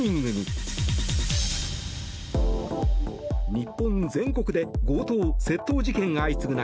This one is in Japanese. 日本全国で強盗・窃盗事件が相次ぐ中